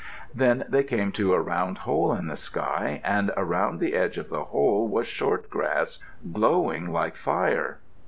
Then they came to a round hole in the sky and around the edge of the hole was short grass, glowing like fire.